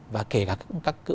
và kể cả các